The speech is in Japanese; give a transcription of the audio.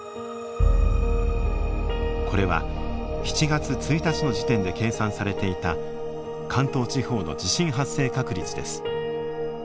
これは７月１日の時点で計算されていた関東地方の地震発生確率です。